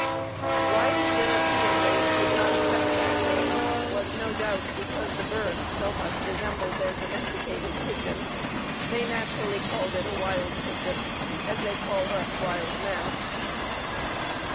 Why the European race did not accept that name was, no doubt, because the bird so much resembled the domesticated pigeon; they naturally called it a wild pigeon, as they called us wild men.